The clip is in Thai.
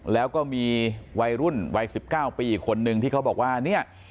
แล้วก็มีวัยรุ่นวัย๑๙ปีอีกคนนึงที่เขาบอกว่าเนี่ย